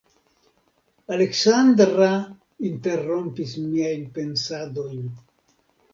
Aleksandra interrompis miajn pensadojn.